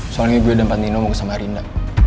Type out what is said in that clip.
soalnya gue dan nino mau ke samarinda